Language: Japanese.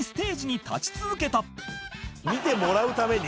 見てもらうために。